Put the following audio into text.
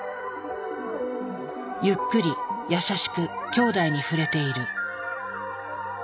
ゆっくり優しくきょうだいに触れている。